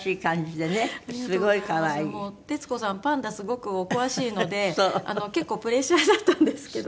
すごくお詳しいので結構プレッシャーだったんですけど。